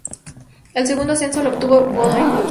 El segundo ascenso lo obtuvo Godoy Cruz.